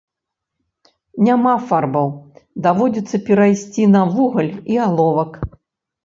Няма фарбаў, даводзіцца перайсці на вугаль і аловак.